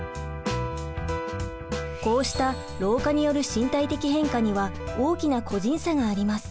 こうした老化による身体的変化には大きな個人差があります。